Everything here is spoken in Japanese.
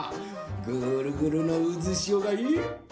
ぐるぐるのうずしおがいっぱい！